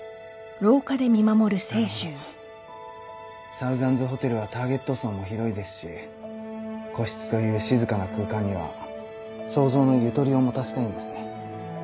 サウザンズホテルはターゲット層も広いですし個室という静かな空間には想像のゆとりを持たせたいんですね。